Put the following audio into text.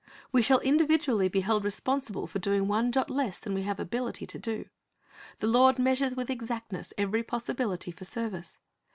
"' \Vc shall individually be held responsible for doing one jot less than we have ability to do. The Lord measures with exactness every possibility for service.